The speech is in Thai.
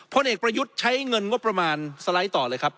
พลเอกประยุทธ์ใช้เงินงบประมาณสไลด์ต่อเลยครับ